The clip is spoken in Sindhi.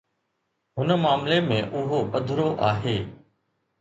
هن معاملي ۾ اهو پڌرو آهي.